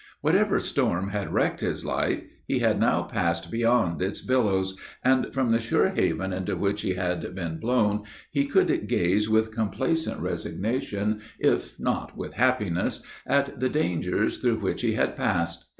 Whatever storm had wrecked his life, he had now passed beyond its billows, and from the sure haven into which he had been blown he could gaze with complacent resignation, if not with happiness, at the dangers through which he had passed.